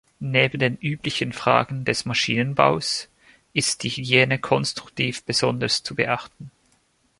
Neben den üblichen Fragen des Maschinenbaus ist die Hygiene konstruktiv besonders zu beachten.